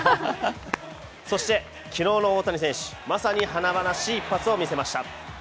そして昨日の大谷選手、まさに華々しい一発を見せました。